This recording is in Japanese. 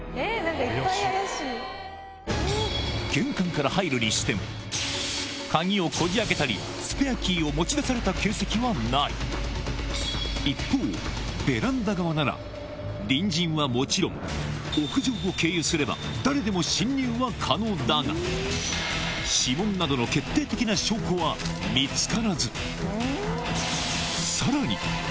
玄関から入るにしても鍵をこじ開けたりスペアキーを持ち出された形跡はない一方ベランダ側なら隣人はもちろん屋上を経由すれば誰でも侵入は可能だが指紋などのこいつか！